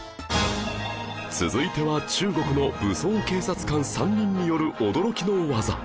続いては中国の武装警察官３人による驚きの技